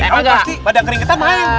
kamu pasti pada keringetan main